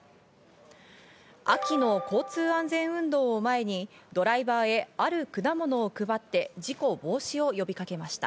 秋の交通安全運動を前にドライバーへ、ある果物を配って事故防止を呼びかけました。